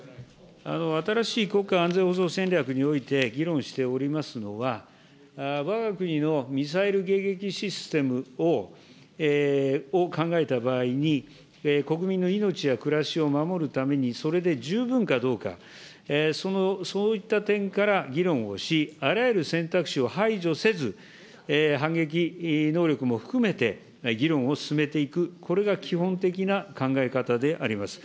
新しい国家安全保障戦略において議論しておりますのは、わが国のミサイル迎撃システムを考えた場合に、国民の命や暮らしを守るためにそれで十分かどうか、そういった点から議論をし、あらゆる選択肢を排除せず、反撃能力も含めて、議論を進めていく、これが基本的な考え方であります。